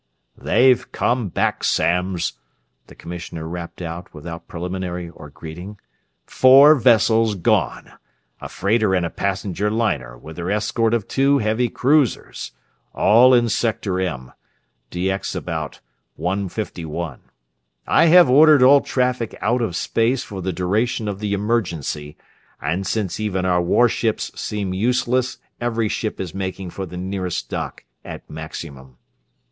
"They've come back, Samms!" the Commissioner rapped out, without preliminary or greeting. "Four vessels gone a freighter and a passenger liner, with her escort of two heavy cruisers. All in Sector M; Dx about 151. I have ordered all traffic out of space for the duration of the emergency, and since even our warships seem useless, every ship is making for the nearest dock at maximum.